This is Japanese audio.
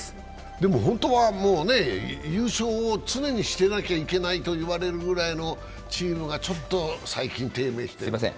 でも本当は優勝を常にしてなきゃいけないと言われるぐらいのチームが、ちょっと最近、低迷してます。